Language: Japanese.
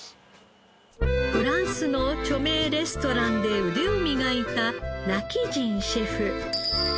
フランスの著名レストランで腕を磨いた今帰仁シェフ。